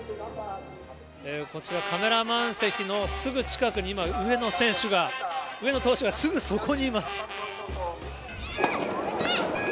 こちら、カメラマン席のすぐ近く、今、上野選手が、上野投手が、すぐそこにいます。